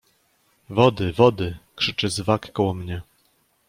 "„Wody, wody“ krzyczy Zwak koło mnie."